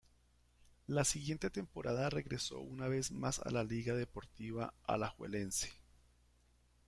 La siguiente temporada regresó una vez más a la Liga Deportiva Alajuelense.